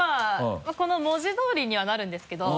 この文字通りにはなるんですけど。